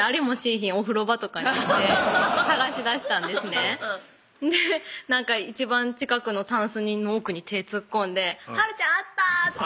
ひんお風呂場とかに行って捜しだしたんですね一番近くのたんすの奥に手突っ込んで「はるちゃんあった！」って